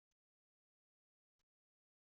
Lbulis nejjmen ufin imejrem.